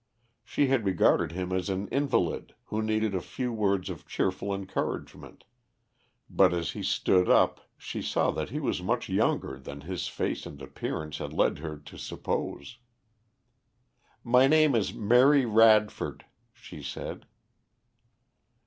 She had regarded him as an invalid, who needed a few words of cheerful encouragement, but as he stood up she saw that he was much younger than his face and appearance had led her to suppose. "My name is Mary Radford," she said.